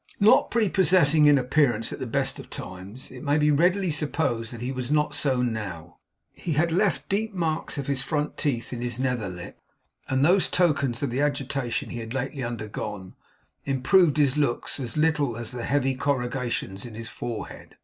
Not prepossessing in appearance at the best of times, it may be readily supposed that he was not so now. He had left deep marks of his front teeth in his nether lip; and those tokens of the agitation he had lately undergone improved his looks as little as the heavy corrugations in his forehead.